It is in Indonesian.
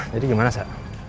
jadi gimana sa